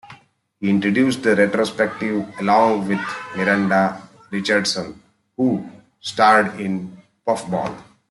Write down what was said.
He introduced the retrospective along with Miranda Richardson, who starred in "Puffball".